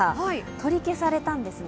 取り消されたんですね。